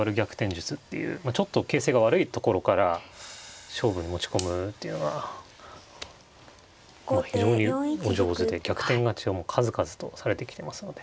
術っていうちょっと形勢が悪いところから勝負に持ち込むっていうのが非常にお上手で逆転勝ちをもう数々とされてきてますので。